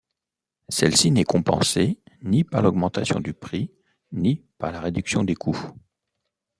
Celle-ci n'est compensée ni par l'augmentation du prix, ni par la réduction des coûts.